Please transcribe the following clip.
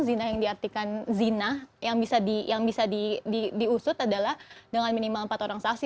zinah yang diartikan zina yang bisa diusut adalah dengan minimal empat orang saksi